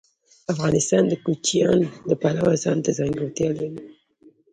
افغانستان د کوچیان د پلوه ځانته ځانګړتیا لري.